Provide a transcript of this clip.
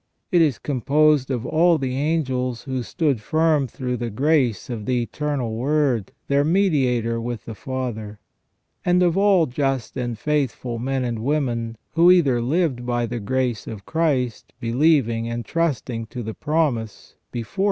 It is composed of all the angels who stood firm through the grace of the Eternal Word, their mediator with the Father ; and of all just and faithful men and women who either lived by the grace of Christ, believing and trusting to the promise, before 23 354 THE REGENERATION OF MAN.